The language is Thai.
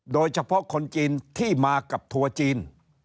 โดยเฉพาะคนจีนที่มากับทัวร์จีน